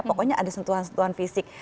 pokoknya ada sentuhan sentuhan fisik